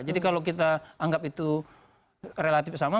jadi kalau kita anggap itu relatif sama